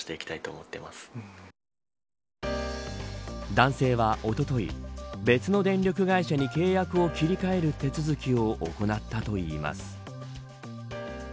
男性はおととい別の電力会社に契約を切り替える手続きを行ったといいます。